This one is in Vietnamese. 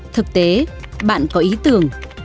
thực tế bạn có ý tưởng